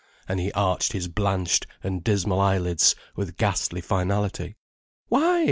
And he arched his blanched and dismal eyelids with ghastly finality. "Why?"